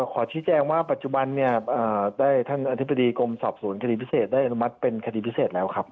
ขอชี้แจงว่าปัจจุบันเนี่ยได้ท่านอธิบดีกรมสอบสวนคดีพิเศษได้อนุมัติเป็นคดีพิเศษแล้วครับ